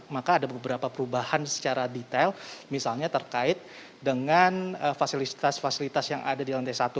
maka ada beberapa perubahan secara detail misalnya terkait dengan fasilitas fasilitas yang ada di lantai satu